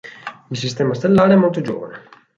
Il sistema stellare è molto giovane.